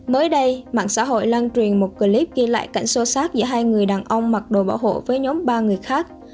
mới đây mạng xã hội lan truyền một clip ghi lại cảnh sâu sát giữa hai người đàn ông mặc đồ bảo hộ với nhóm ba người khác